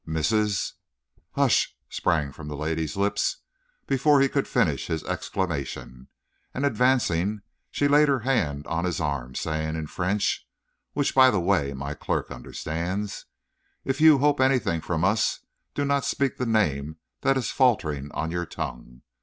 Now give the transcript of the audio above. "Mrs. " "Hush!" sprang from the lady's lips before he could finish his exclamation; and advancing, she laid her hand on his arm, saying, in French, which, by the way, my clerk understands: "If you hope anything from us, do not speak the name that is faltering on your tongue.